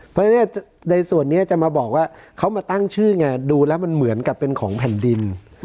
เพราะฉะนั้นในส่วนนี้จะมาบอกว่าเขามาตั้งชื่อไงดูแล้วมันเหมือนกับเป็นของแผ่นดิน